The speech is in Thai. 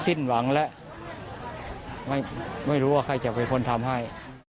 สิ้นหวังและไม่รู้ว่าใครจะเป็นคนทำให้